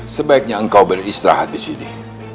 sebaiknya engkau beristirahat di sini